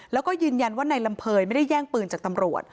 แล้วก็ยืนยันว่านายลำเภยไม่ได้แย่งปืนจากตำรวจ